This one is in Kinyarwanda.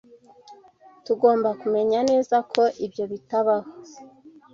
Tugomba kumenya neza ko ibyo bitabaho.